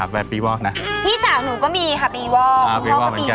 แบบปีวอกนะพี่สาวหนูก็มีค่ะปีวอกอ่าปีวอกเหมือนกันอ๋อ